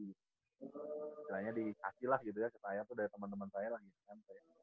istilahnya dikasih lah gitu ya ke saya tuh dari temen temen saya lagi smp